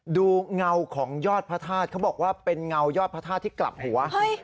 เงาของยอดพระธาตุเขาบอกว่าเป็นเงายอดพระธาตุที่กลับหัว